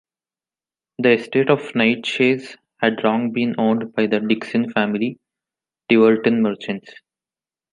The estate of Knightshayes had long been owned by the Dickinson family, Tiverton merchants.